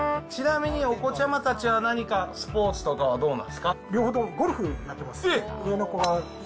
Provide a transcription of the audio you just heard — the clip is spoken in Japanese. ちなみにお子ちゃまたちは何かスポーツとかはどうなんですか両方とも、ゴルフやってます。